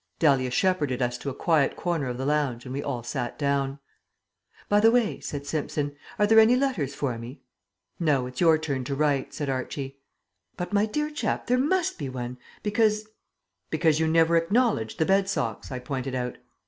Dahlia shepherded us to a quiet corner of the lounge and we all sat down. "By the way," said Simpson, "are there any letters for me?" "No; it's your turn to write," said Archie. "But, my dear chap, there must be one, because " "But you never acknowledged the bed socks," I pointed out.